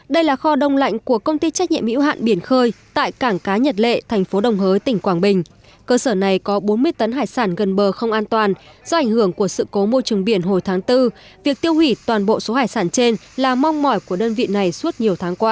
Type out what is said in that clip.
đây là kho đông lạnh của công ty trách nhiệm hữu hạn biển khơi tại cảng cá nhật lệ thành phố đồng hới tỉnh quảng bình cơ sở này có bốn mươi tấn hải sản gần bờ không an toàn do ảnh hưởng của sự cố môi trường biển hồi tháng bốn việc tiêu hủy toàn bộ số hải sản trên là mong mỏi của đơn vị này suốt nhiều tháng qua